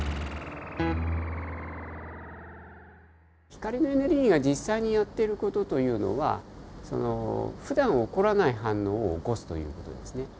光のエネルギーが実際にやってる事というのはふだん起こらない反応を起こすという事ですね。